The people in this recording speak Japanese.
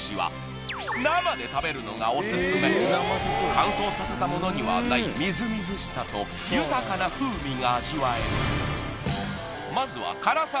乾燥させたものにはないみずみずしさと豊かな風味が味わえるまずは辛さ